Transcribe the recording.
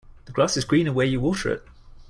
The grass is greener where you water it.